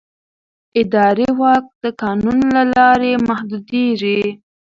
اداري واک د قانون له لارې محدودېږي.